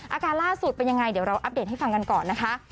อาการล่าสุดเป็นยังไงเดี๋ยวเราอัปเดตให้ฟังกันก่อนนะคะ